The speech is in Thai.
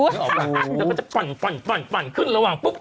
แล้วก็ปั่นขึ้นระหว่างปุ๊บ